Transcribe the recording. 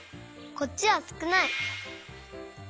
こっちはすくない！